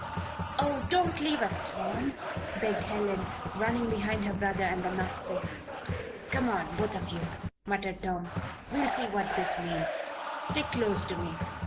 "Oh, don't leave us, Tom!" begged Helen, running behind her brother and the mastiff. "Come on both of you!" muttered Tom. "We'll see what this means. Stick close to me."